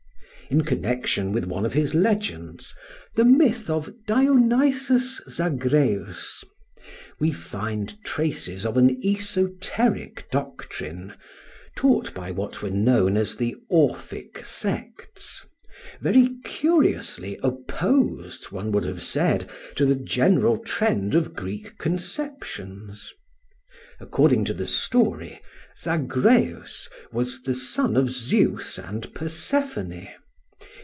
In connection with one of his legends, the myth of Dionysus Zagreus, we find traces of an esoteric doctrine, taught by what were known as the orphic sects, very curiously opposed, one would have said, to the general trend of Greek conceptions. According to the story, Zagreus was the son of Zeus and Persephone.